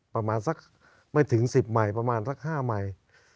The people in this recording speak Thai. ประมาณสักไม่ถึง๑๐ไมล์ประมาณสัก๕ไมล์